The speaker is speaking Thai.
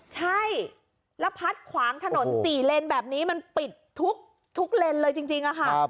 ใช่แล้วพัดขวางถนน๔เลนแบบนี้มันปิดทุกเลนเลยจริงค่ะ